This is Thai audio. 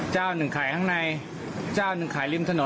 เจ้าหนึ่งขายข้างในเจ้าหนึ่งขายริมถนน